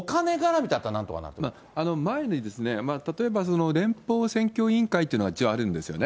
前に、例えば連邦選挙委員会というのが一応あるんですよね。